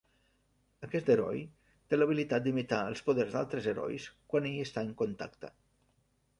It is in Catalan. Aquest heroi té l'habilitat d'imitar els poders dels altres herois quan hi està en contacte.